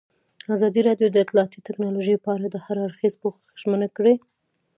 ازادي راډیو د اطلاعاتی تکنالوژي په اړه د هر اړخیز پوښښ ژمنه کړې.